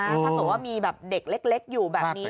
ถ้าเกิดว่ามีแบบเด็กเล็กอยู่แบบนี้